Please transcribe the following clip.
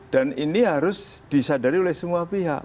dan ini harus disadari oleh semua pihak